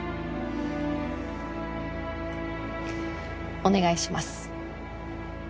お願いします。